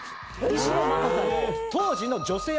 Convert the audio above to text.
石野真子さんって。